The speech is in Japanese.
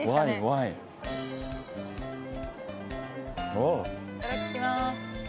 いただきます。